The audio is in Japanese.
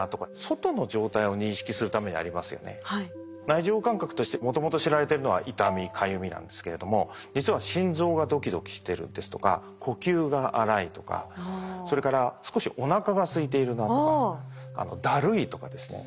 内受容感覚としてもともと知られてるのは痛みかゆみなんですけれども実は心臓がドキドキしてるですとか呼吸が荒いとかそれから少しおなかがすいているなとかだるいとかですね